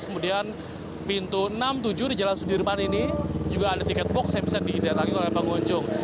kemudian pintu enam tujuh di jalan sudirman ini juga ada tiket box yang bisa diidat lagi oleh pengunjung